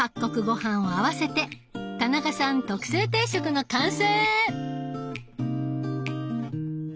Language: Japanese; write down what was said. ごはんを合わせて田中さん特製定食の完成！